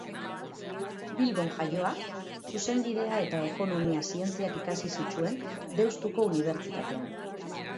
Bilbon jaioa, Zuzenbidea eta Ekonomia zientziak ikasi zituen Deustuko Unibertsitatean.